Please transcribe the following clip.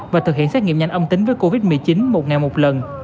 và thực hiện xét nghiệm nhanh âm tính với covid một mươi chín một ngày một lần